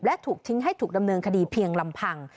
และถูกทิ้งให้ถูกดำเนินคดีเพียงลำพัง